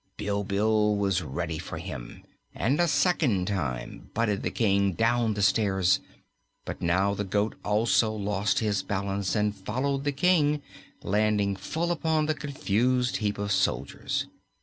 Bilbil was ready for him and a second time butted the King down the stairs; but now the goat also lost his balance and followed the King, landing full upon the confused heap of soldiers.